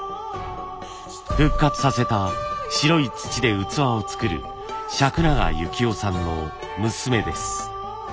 復活させた白い土で器を作る釋永由紀夫さんの娘です。